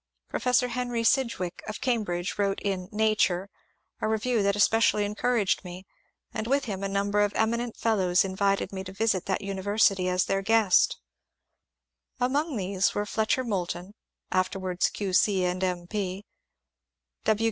Professor Henry Sidgwick of Cambridge wrote in " Nature " a review that espe cially encouraged me, and with him a number of eminent Fel lows invited me to visit that university as their guest. Among these were Fletcher Moulton (afterwards Q. C. and M.